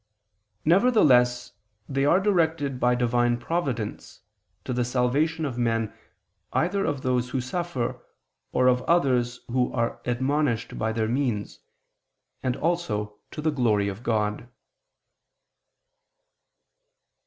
Nevertheless, they are directed by Divine providence, to the salvation of men, either of those who suffer, or of others who are admonished by their means and also to the glory of God.